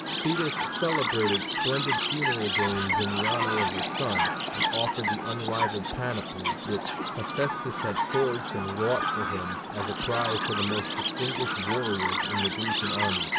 Thetis celebrated splendid funeral games in honor of her son, and offered the unrivalled panoply which Hephæstus had forged and wrought for him as a prize to the most distinguished warrior in the Grecian army.